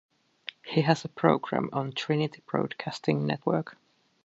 He has a program on Trinity Broadcasting Network.